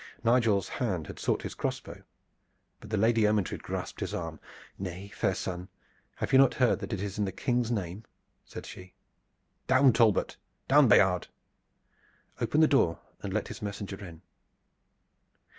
Nigel's hand had sought his crossbow, but the Lady Ermyntrude grasped his arm. "Nay, fair son! Have you not heard that it is in the King's name?" said she. "Down, Talbot! Down, Bayard! Open the door and let his messenger in!"